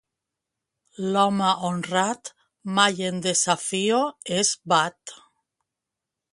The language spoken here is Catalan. L'home honrat mai en desafio es bat.